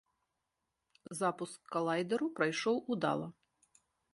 Запуск калайдэру прайшоў удала.